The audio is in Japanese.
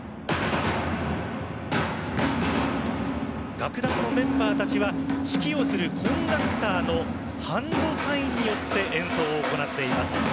楽団のメンバーたちは指揮をする、コンダクターのハンドサインによって演奏を行っています。